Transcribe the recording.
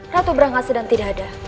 ratu berangkat sedang tidak ada